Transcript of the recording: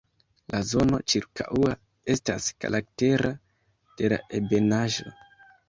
La zono ĉirkaŭa estas karaktera de la ebenaĵo.